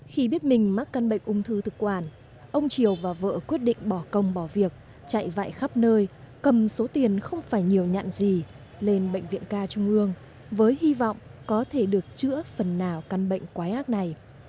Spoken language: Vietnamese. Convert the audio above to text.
khi biết mình mắc căn bệnh ung thư thực quản ông triều và vợ quyết định bỏ công bỏ việc chạy vại khắp nơi cầm số tiền không phải nhiều nhạn gì lên bệnh viện ca trung ương với hy vọng có thể được chữa phần nào căn bệnh quái ác này